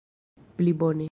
plibone